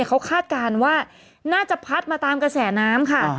เขาคาดการณ์ว่าน่าจะพัดมาตามกระแสน้ำค่ะ